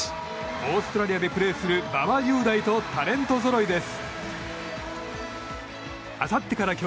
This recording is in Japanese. オーストラリアでプレーする馬場雄大とタレントぞろいです。